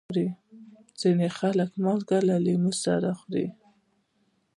ځینې خلک مالګه له لیمو سره خوري.